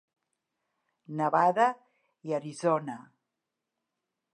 Nevada i Arizona.